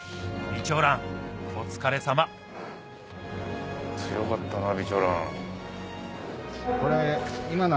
美蝶蘭お疲れさま強かったな美蝶蘭。